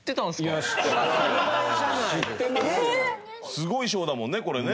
すごい賞だもんねこれね。